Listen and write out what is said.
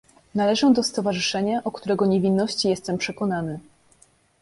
"Należę do stowarzyszenia, o którego niewinności jestem przekonany."